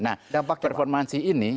nah performansi ini